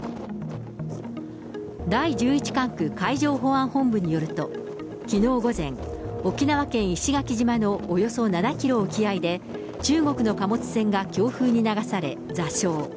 第１１管区海上保安本部によると、きのう午前、沖縄県石垣島のおよそ７キロ沖合で、中国の貨物船が強風に流され座礁。